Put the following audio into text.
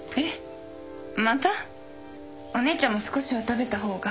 お姉ちゃんも少しは食べた方が。